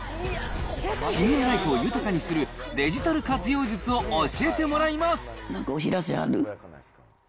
シニアライフを豊かにするデジタル活用術を教えてもらいます。